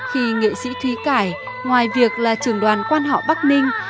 khi nghệ sĩ thúy cải ngoài việc là trường đoàn quan họ bắc ninh